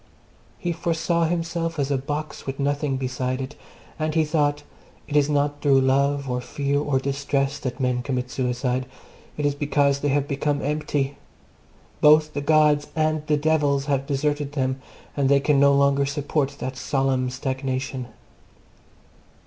He foresaw himself as a box with nothing inside it, and he thought It is not through love or fear or distress that men commit suicide: it is because they have become empty: both the gods and the devils have deserted them and they can no longer support that solemn stagnation.